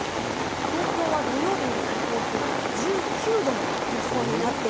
東京は土曜日の最高気温１９度の予想。